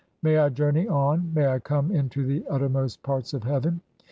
May I journey on, may I come into the uttermost "(11) parts of heaven.